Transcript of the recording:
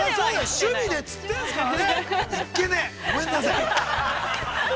◆趣味でって言ってるんですからね。